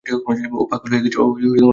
ও পাগল হয়ে গেছে।